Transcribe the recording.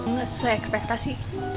nggak sesuai ekspektasi